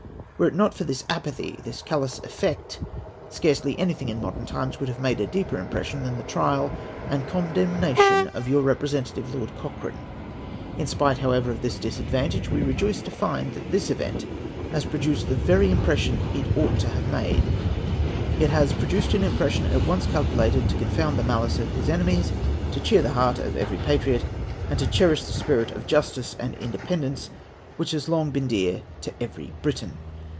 Were it not for this apathy, this callous effect, scarcely anything in modern times would have made a deeper impression than the trial and condeinnation of your representative, Lord Cochrane. In spite, however, of this disadvantage, we rejoice to find that this event has pro duced the very impression it ought to have made; it has produced an impression at once calculated to confound the malice of his enemies, to cheer the heart of every patriot, and to cherish that spirit of justice and independence which has long been dear to every Briton.